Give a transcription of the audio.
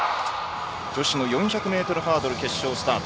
女子の４００ｍハードル決勝スタート。